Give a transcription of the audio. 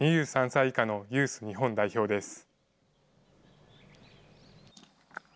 ２３歳以下のユース日本代表です。